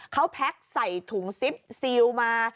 เขาแพ็คใส่ถุงซิปซีลมา